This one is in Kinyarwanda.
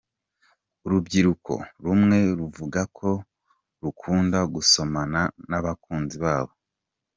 Urubyiruko rumwe ruvuga ko rukunda gusomana n’abakunzi babo.